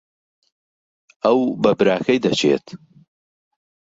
ئەو بە براکەی دەچێت.